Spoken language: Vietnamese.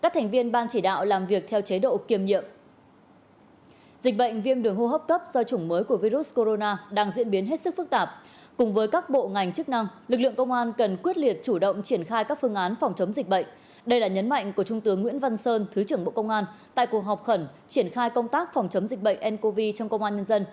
tại cuộc họp khẩn triển khai công tác phòng chấm dịch bệnh ncov trong công an nhân dân